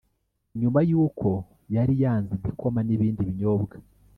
nyuma yuko yari yanze igikoma n’ibindi binyobwa